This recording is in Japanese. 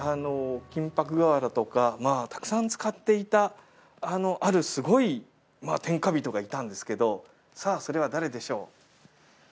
金箔瓦とかまあたくさん使っていたあるすごい天下人がいたんですけどさあそれは誰でしょう？